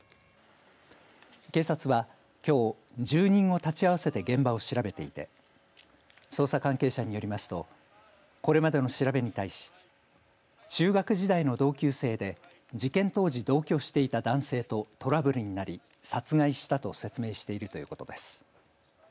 警察は、きょう住人を立ち会わせて現場を調べていて捜査関係者によりますとこれまでの調べに対し中学時代の同級生で事件当時同居していた男性とトラブルになり殺害したと説明しているということです。